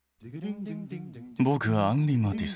僕はアンリ・マティス。